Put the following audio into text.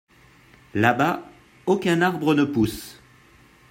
Là-bas, aucun arbre ne pousse.